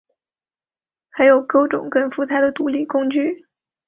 还有各种更复杂的独立工具。